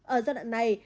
ở giai đoạn này